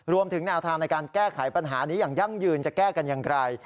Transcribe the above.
รวมถึงแนวทางในการแก้ไขปัญหานี้อย่างยั่งยืนจะแก้กันอย่างไร